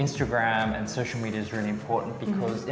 instagram dan media sosial sangat penting karena